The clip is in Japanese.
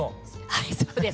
はいそうです。